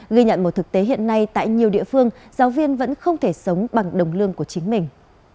ghi nhận một thực tế hiện nay tại nhiều địa phương giáo viên vẫn không thể sống bằng đồng lương của chính mình